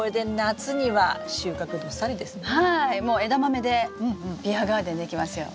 もうエダマメでビアガーデンできますよ。